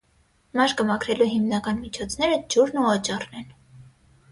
Մաշկը մաքրելու հիմնական միջոցները ջուրն ու օճառն են։